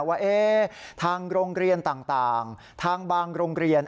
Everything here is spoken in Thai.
ว่าทางโรงเรียนต่างทางบางโรงเรียน